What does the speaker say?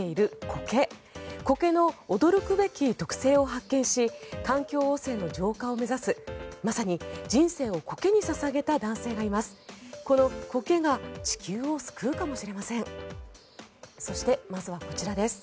コケの驚くべき特性を発見し環境汚染の浄化を目指すまさに人生をコケに捧げた男性がいます。